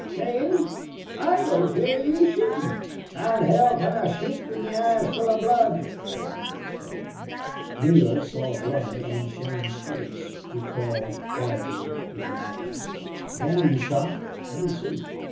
Shane, I don't hear yez shootin'." "How'n hell can I shoot whin me eye is full of blood?" demanded Shane. Neale then saw blood on Shane's face. He crawled quietly to the Irishman. "Man, are you shot? Let me see."